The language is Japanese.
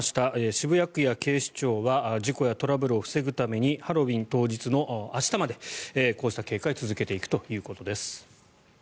渋谷区や警視庁は事故やトラブルを防ぐためにハロウィーン当日の明日までこうした警戒を続けていくということです。